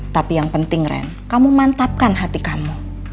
tapi yang penting ren kamu mantapkan hati kamu